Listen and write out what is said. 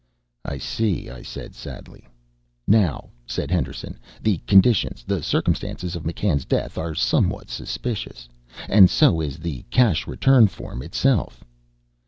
"I see," I said sadly. "Now," said Henderson, "the conditions the circumstances of McCann's death are somewhat suspicious. And so is the cash return form itself."